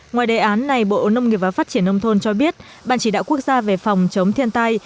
ngoài đề án này bộ nông nghiệp và phát triển nông thôn cho biết ban chỉ đạo quốc gia về phòng chống thiên tai